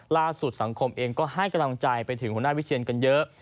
สังคมเองก็ให้กำลังใจไปถึงหัวหน้าวิเชียนกันเยอะ